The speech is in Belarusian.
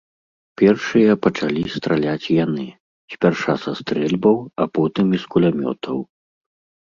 Першыя пачалі страляць яны, спярша са стрэльбаў, а потым і з кулямётаў.